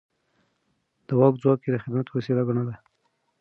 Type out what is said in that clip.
د واک ځواک يې د خدمت وسيله ګڼله.